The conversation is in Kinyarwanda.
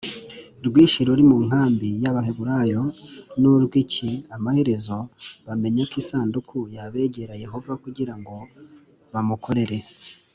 Rwinshi ruri mu nkambi y abaheburayo ni urw iki amaherezo bamenya ko isanduku ya begera yehova kugira ngo bamukorere